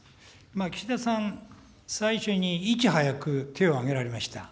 岸田さん、最初にいち早く手を挙げられました。